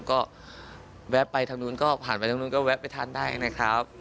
ก็แวะไปทางนู้นก็ผ่านไปทางนู้นก็แวะไปทานได้นะครับ